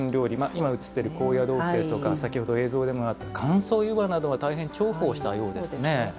今、映っている高野豆腐ですとか先ほど映像でもあった乾燥湯葉などは大変重宝したようですね。